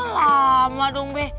lama dong be